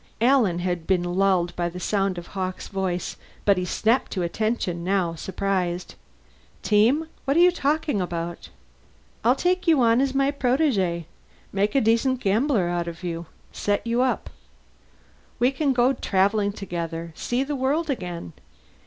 Alan had been lulled by the sound of Hawkes' voice but he snapped to attention now, surprised. "Team? What are you talking about?" "I'll take you on as my protege. Make a decent gambler out of you. Set you up. We can go travelling together, see the world again.